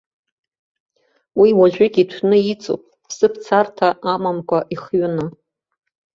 Уи уажәыгь иҭәны иҵоуп, ԥсыԥ царҭа амамкәа ихҩаны.